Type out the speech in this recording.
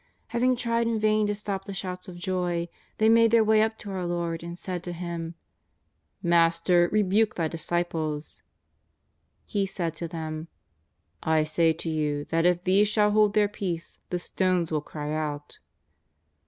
Having tried in vain to stop the shouts of joy, they made their way up to our Lord and said to Him: " Master, rebuke Thy disciples." He said to them :^' I say to you that if these shall hold their peace, the stones will cry out."